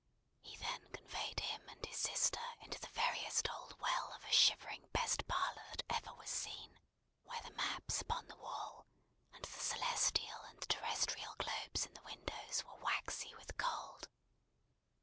He then conveyed him and his sister into the veriest old well of a shivering best parlour that ever was seen, where the maps upon the wall, and the celestial and terrestrial globes in the windows, were waxy with cold.